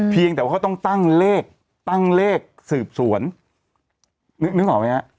เพียงแต่ว่าเขาต้องตั้งเลขสืบสวนนึกออกไหมครับ